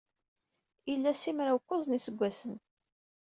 Ila simraw-kuẓ n yiseggasen.